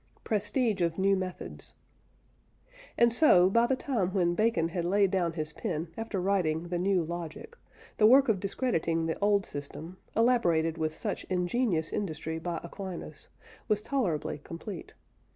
PRESTIGE OF NEW METHODS. And so, by the time when Bacon had laid down his pen after writing the New Logic, the work of discrediting the old system, elaborated with such ingenious industry by Aquinas, was tolerably complete.